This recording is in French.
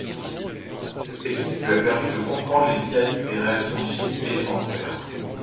Cette technique lui a permis de comprendre les dynamiques des réactions chimiques élémentaires.